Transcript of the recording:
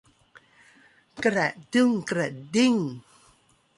กระดุ้งกระดิ้ง